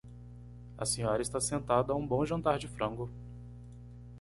A senhora está sentada a um bom jantar de frango.